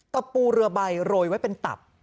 ตะปูเรือใบโรยไว้เป็นตับ